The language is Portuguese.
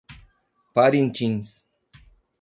Parintins